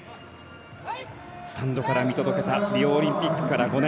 スタンドから見届けたリオオリンピックから５年。